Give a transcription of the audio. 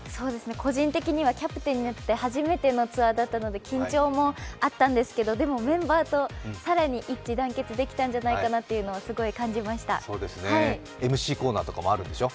個人的にはキャプテンになって初めてのツアーだったので緊張もあったんですけど、でもメンバーと更に一致団結できたんじゃないかとＭＣコーナーとかあるんでしょ。